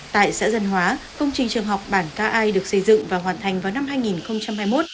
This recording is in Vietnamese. tại xã dân hóa công trình trường học bản k i được xây dựng và hoàn thành vào năm hai nghìn hai mươi một